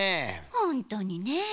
ほんとにねえ。